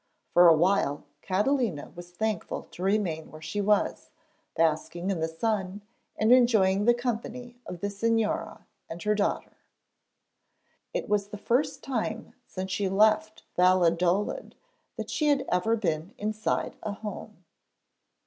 For a while Catalina was thankful to remain where she was, basking in the sun and enjoying the company of the Señora and her daughter. It was the first time since she left Valladolid that she had ever been inside a home.